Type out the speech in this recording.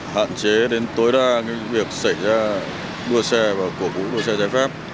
hạn chế đến tối đa việc xảy ra đua xe và cổ vũ đua xe giải pháp